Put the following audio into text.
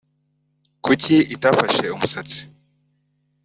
Kuki itafashe umusatsi